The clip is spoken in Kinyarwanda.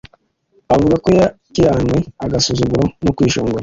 Avuga ko yakiranwe agasuzuguro no kwishongora,